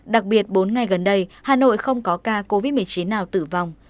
đặc biệt bốn ngày gần đây hà nội không có ca covid một mươi chín nào tử vong